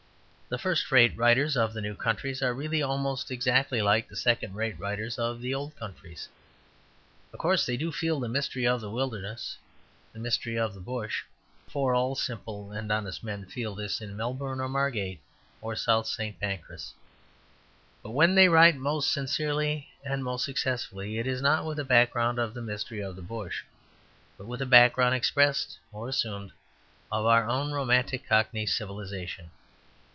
The first rate writers of the new countries are really almost exactly like the second rate writers of the old countries. Of course they do feel the mystery of the wilderness, the mystery of the bush, for all simple and honest men feel this in Melbourne, or Margate, or South St. Pancras. But when they write most sincerely and most successfully, it is not with a background of the mystery of the bush, but with a background, expressed or assumed, of our own romantic cockney civilization.